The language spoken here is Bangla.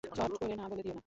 চট করে না বলে দিও না।